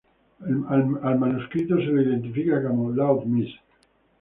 Al manuscrito se le identifica como "Laud Misc.